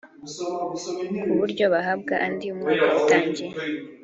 ku buryo bahabwa andi umwaka utangiye